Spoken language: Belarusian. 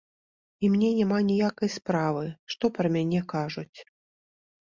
І мне няма ніякай справы, што пра мяне кажуць.